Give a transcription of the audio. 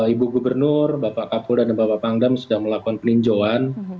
ibu gubernur bapak kapol dan bapak pangdam sudah melakukan peninjauan